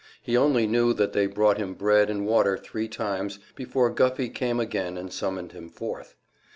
He only knew that they brought him bread and water three times, before Guffey came again and summoned him forth.